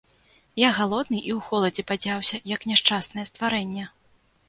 Я галодны і ў холадзе бадзяўся, як няшчаснае стварэнне.